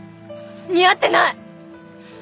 似合ってない！